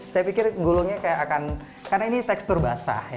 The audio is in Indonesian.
saya pikir gulungnya kayak akan karena ini tekstur basah ya